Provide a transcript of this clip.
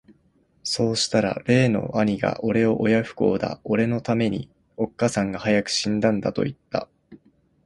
さうしたら例の兄がおれを親不孝だ、おれの為めに、おつかさんが早く死んだんだと云つた。